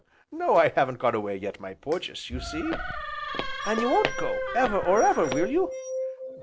"No, I haven't gone away yet, my Porges, you see." "An' you won't go ever or ever, will you?"